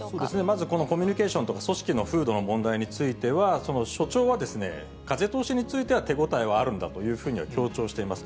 まずこのコミュニケーションとか、組織の風土の問題については、所長は風通しについては手応えはあるんだというふうには強調しています。